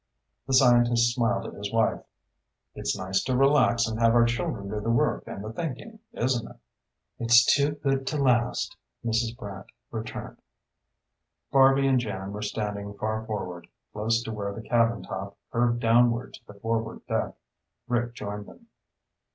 The scientist smiled at his wife. "It's nice to relax and have our children do the work and the thinking, isn't it?" "It's too good to last," Mrs. Brant returned. Barby and Jan were standing far forward, close to where the cabin top curved downward to the forward deck. Rick joined them.